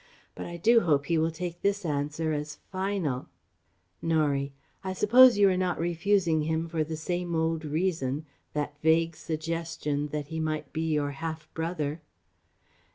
But I do hope he will take this answer as final." Norie: "I suppose you are not refusing him for the same old reason that vague suggestion that he might be your half brother?"